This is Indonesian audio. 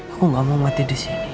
aku gak mau mati di sini